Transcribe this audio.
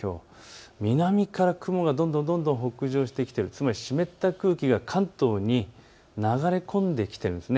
南から雲がどんどん北上してきてつまり湿った空気が関東に流れ込んできているんです。